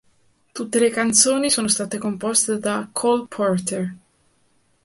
Tutte le canzoni sono state composte da Cole Porter.